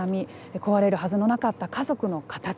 壊れるはずのなかった家族の形。